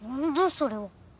それは。